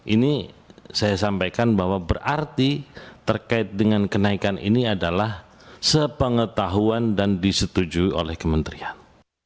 ini saya sampaikan bahwa berarti terkait dengan kenaikan ini adalah sepengetahuan dan disetujui oleh kementerian